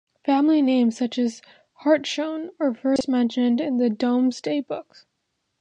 Family names such as Hartshorne were first mentioned in the Domesday Book.